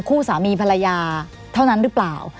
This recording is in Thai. คู่สามีภรรยาเท่านั้นหรือเปล่า